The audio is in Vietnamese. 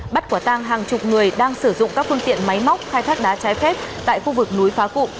bắt quả tang hàng chục người đang sử dụng các phương tiện máy móc khai thác đá trái phép tại khu vực núi phá cụm